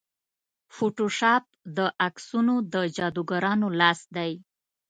فوټوشاپ د عکسونو د جادوګرانو لاس دی.